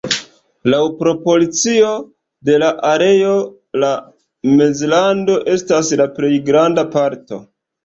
Laŭ proporcio de la areo la Mezlando estas la plej granda parto.